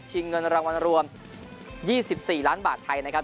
เงินรางวัลรวม๒๔ล้านบาทไทยนะครับ